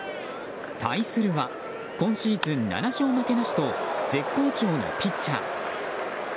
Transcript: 対するは今シーズン７勝負けなしと絶好調のピッチャー。